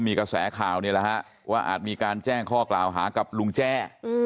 มีกระแสข่าวนี่แหละฮะว่าอาจมีการแจ้งข้อกล่าวหากับลุงแจ้